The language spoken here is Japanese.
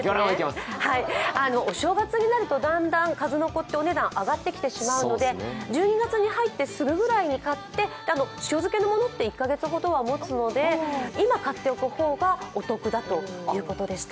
お正月になるとだんだん数の子ってお値段、上がってきてしまうので１２月に入ってすぐくらいに買って、塩漬けのものって１カ月くらいはもつので今買っておく方がお得だということでした。